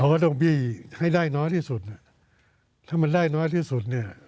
ก็ต้องบี้ให้ได้น้อยที่สุดถ้ามันได้น้อยที่สุดเนี่ย